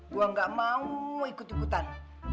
gue gak mau ikut ikutan